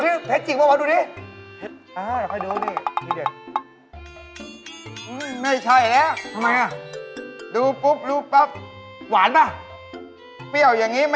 นี่แกกำลังจะทำสไป์เหรอ